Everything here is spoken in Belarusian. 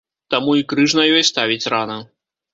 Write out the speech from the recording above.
Таму і крыж на ёй ставіць рана.